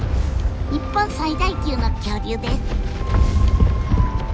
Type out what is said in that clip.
日本最大級の恐竜です。